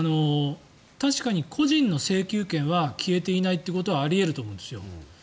確かに個人の請求権が消えていないということはあり得ると思うんですよ。